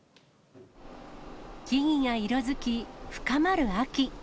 木々が色づき、深まる秋。